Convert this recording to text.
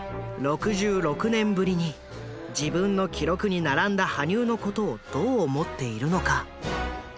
６６年ぶりに自分の記録に並んだ羽生のことをどう思っているのか？